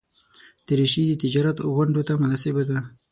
دریشي د تجارت غونډو ته مناسبه ده.